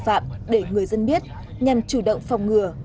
tội phạm để người dân biết nhằm chủ động phòng ngừa